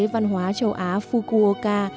văn hóa châu á